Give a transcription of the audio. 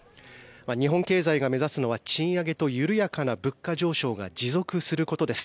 日本経済が目指すのは賃上げと緩やかな物価安定が持続することです。